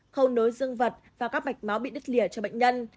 khâu nối dương vật và các mạch máu bị đứt lìa cho bệnh nhân